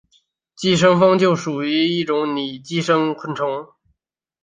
寄生蜂就属于一种拟寄生昆虫。